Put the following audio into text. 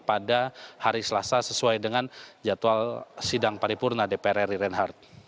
pada hari selasa sesuai dengan jadwal sidang paripurna dpr ri reinhardt